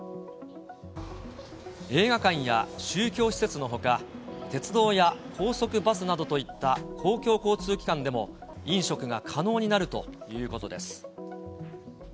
映画館や宗教施設のほか、鉄道や高速バスなどといった公共交通機関でも、飲食が可能になるということです。